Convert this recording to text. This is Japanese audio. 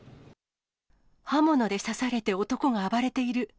刃物で刺されて男が暴れている。